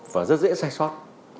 và rất dễ sai sót